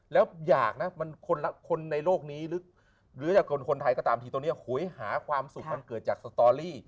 แล้วอยากนะคนในโลกนี้หรือจากคนไทยก็ตามทีตอนนี้โหยหาความสุขมันเกิดจากสตอรี่